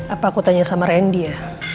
apa aku tanya sama rendy ya